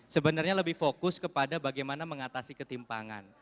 sebenarnya lebih fokus kepada bagaimana mengatasi ketimpangan